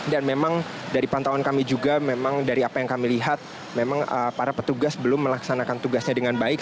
dan memang dari pantauan kami juga memang dari apa yang kami lihat memang para petugas belum melaksanakan tugasnya dengan baik